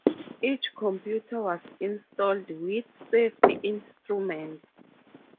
Each computer was installed with safety instruments.